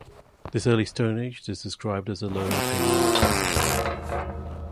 This early Stone Age is described as the Lower Paleolithic.